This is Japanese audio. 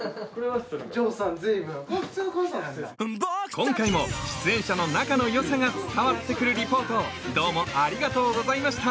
今回も出演者の仲の良さが伝わってくるリポートどうもありがとうございました！